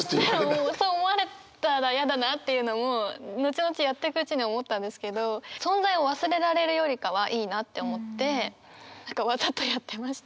そう思われたら嫌だなっていうのも後々やってくうちに思ったんですけど存在を忘れられるよりかはいいなって思って何かわざとやってましたね。